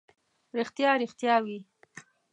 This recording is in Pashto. ریښتیا، ریښتیا وي.